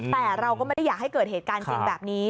แต่เราก็ไม่ได้อยากให้เกิดเหตุการณ์จริงแบบนี้